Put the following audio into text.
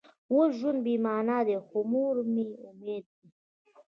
اوس ژوند بې معنا دی خو مور مې امید دی